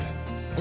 え！